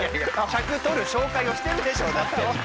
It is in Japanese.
尺取る紹介をしてるでしょうだって。